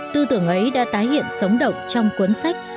tư tưởng ấy đã tái hiện sống động trong cuốn sách